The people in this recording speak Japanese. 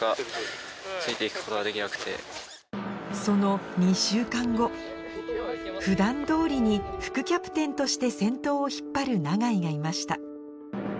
その２週間後普段通りに副キャプテンとして先頭を引っ張る永井がいました